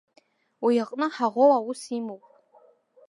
Уи иҟны ҳаӷоу аус имоуп.